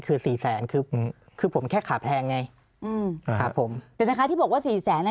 คือสี่แสนคือคือผมแค่ขาแพงไงอืมครับผมเดี๋ยวนะคะที่บอกว่าสี่แสนอ่ะ